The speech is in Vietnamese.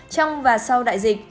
trong và sau đại dịch